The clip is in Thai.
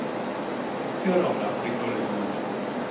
เพื่อรองรับเทคโนโลยี